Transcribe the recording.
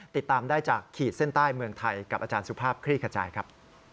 ติดตามได้จากขีดเส้นใต้เมืองไทยกับอาจารย์สุภาพคลี่ขจายครับ